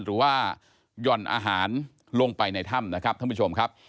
หรือว่าหย่อนอาหารลงไปในถ้ำนะครับท่านผู้ชมครับ